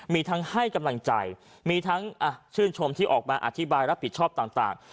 มีทั้งให้กำลังใจมีทั้งชื่นชมที่ออกมาอธิบายรับผิดชอบต่าง